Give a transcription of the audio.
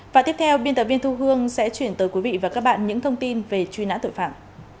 và tiếp theo biên tập viên thu hương sẽ chuyển tới quý vị và các bạn những thông tin về truy nã tội phạm